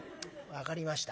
「分かりました。